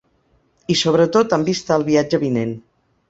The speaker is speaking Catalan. I sobretot amb vista al viatge vinent.